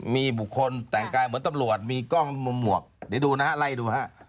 มีบุคคลแต่กลายเหมือนตำรวจมีกล้องมุกหล่าดูนะอะไรดูนะครับ